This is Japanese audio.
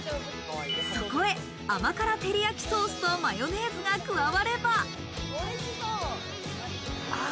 そこへ甘辛テリヤキソースとマヨネーズが加われば。